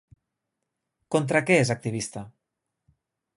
Contra què és activista?